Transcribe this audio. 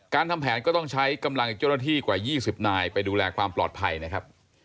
ทำแผนก็ต้องใช้กำลังเจ้าหน้าที่กว่า๒๐นายไปดูแลความปลอดภัยนะครับ